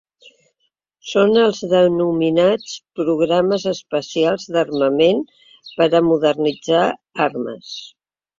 Són els denominats “Programes especials d’armaments per a modernitzar armes”.